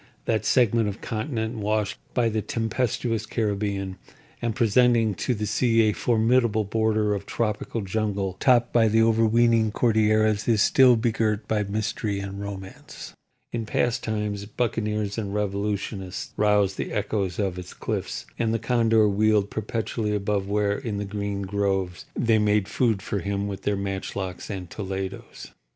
That segment of continent washed by the tempestuous Caribbean, and presenting to the sea a formidable border of tropical jungle topped by the overweening Cordilleras, is still begirt by mystery and romance. In past times buccaneers and revolutionists roused the echoes of its cliffs, and the condor wheeled perpetually above where, in the green groves, they made food for him with their matchlocks and toledos.